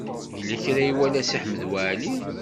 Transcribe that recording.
Yella kra i iwala Si Ḥmed Waɛli.